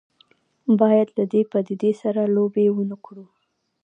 باید له دې پدیدې سره لوبې ونه کړو.